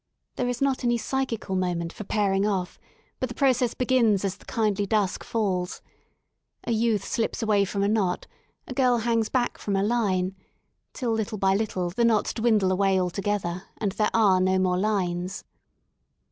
There is not any psychical moment for pairing offj but the process begins as the kindly dusk falls, A youth slips away from a knot, a girl hangs back from a line, till little by little the knots dwindle away altogether and there are no more lines.